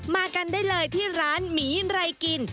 มากันได้เลยที่ร้านหมีไรกิน